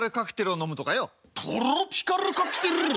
トロピカルカクテル！？